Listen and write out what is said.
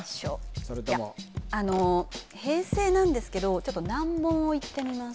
それともいやあの平成なんですけどちょっと難問をいってみます